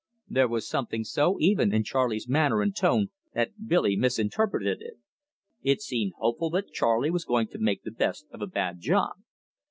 There was something so even in Charley's manner and tone that Billy misinterpreted it. It seemed hopeful that Charley was going to make the best of a bad job.